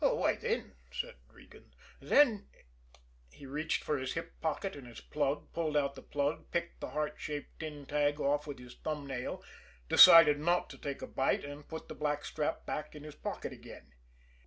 "Why then," said Regan, "then" he reached for his hip pocket and his plug, pulled out the plug, picked the heart shaped tin tag off with his thumb nail, decided not to take a bite, and put the blackstrap back in his pocket again.